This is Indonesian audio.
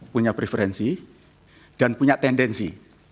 punya preferensi dan punya tendensi